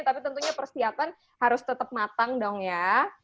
tapi tentunya persiapan harus tetap matang dong ya